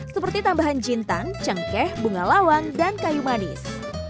seperti tambahan jintan cengkeh bunga lawang dan kayu manis